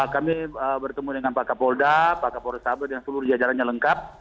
kami bertemu dengan pak kapolda pak kapolres sabe dan seluruh jajarannya lengkap